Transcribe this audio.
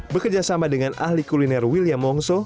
bekerjasama dengan ahli kuliner william wongso